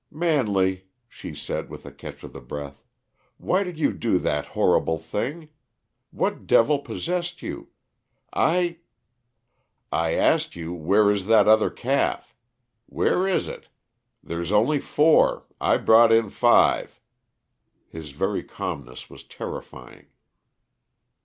"Manley," she said, with a catch of the breath, "why did you do that horrible thing? What devil possessed you? I " "I asked you 'where is that other calf'? Where is it? There's only four. I brought in five." His very calmness was terrifying.